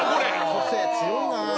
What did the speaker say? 個性強いな！